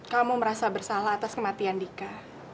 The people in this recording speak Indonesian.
kamu merasa bersalah atas kematian dika